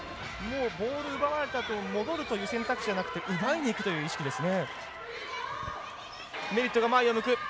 ボールを奪われたあと戻るという意識はなくて奪いにいくという意識ですね。